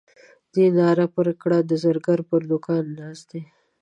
دې ناره پر وکړه د زرګر پر دوکان ناست دی.